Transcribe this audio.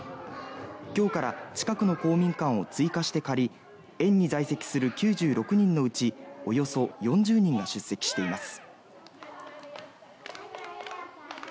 今日から近くの公民館を追加して借り園児在籍する９６人のうちおよそ４０人が出席しています。